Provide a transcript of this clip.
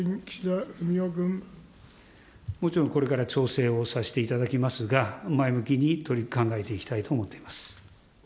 もちろんこれから調整をさせていただきますが、前向きに考えていきたいと思っております。